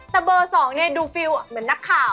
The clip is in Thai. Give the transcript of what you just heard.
แต่เบอร์๒เนี่ยดูฟิลเหมือนนักข่าว